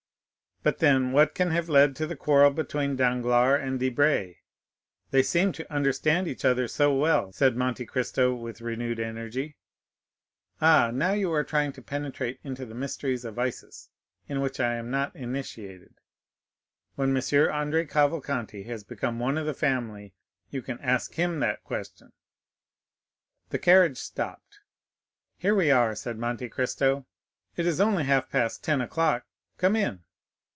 "But then, what can have led to the quarrel between Danglars and Debray? They seemed to understand each other so well," said Monte Cristo with renewed energy. "Ah, now you are trying to penetrate into the mysteries of Isis, in which I am not initiated. When M. Andrea Cavalcanti has become one of the family, you can ask him that question." The carriage stopped. "Here we are," said Monte Cristo; "it is only half past ten o'clock, come in."